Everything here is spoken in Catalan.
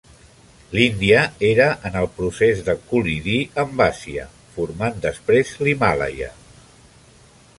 L'Índia era en el procés de col·lidir amb Àsia, formant després l'Himàlaia.